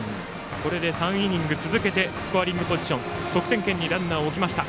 これで３イニング続けてスコアリングポジション得点圏にランナーを置きました。